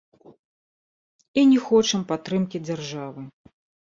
І не хочам падтрымкі дзяржавы.